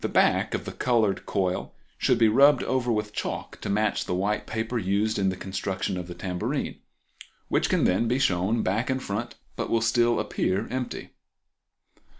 The back of the colored coil should be rubbed over with chalk to match the white paper used in the construction of the tambourine which can then be shown back and front, but will still appear empty.